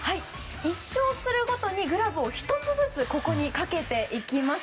１勝するごとにグラブを１つずつここにかけていきます。